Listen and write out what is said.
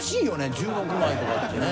１６枚とかってね。